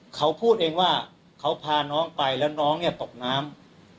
เขาพูดเองว่าเขาพาน้องไปแล้วน้องเนี่ยตกน้ำ